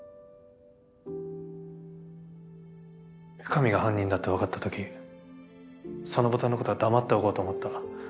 深水が犯人だって分かったときそのボタンのことは黙っておこうと思った。